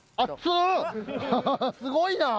すごいな。